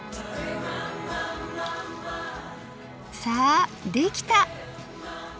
さあできた！